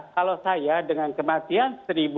kalau saya dengan kematian satu tiga ratus